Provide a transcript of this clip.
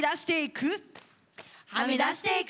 はみ出していく。